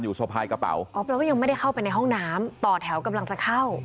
สะพายกระเป๋าอ๋อแปลว่ายังไม่ได้เข้าไปในห้องน้ำต่อแถวกำลังจะเข้า